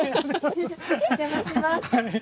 お邪魔します。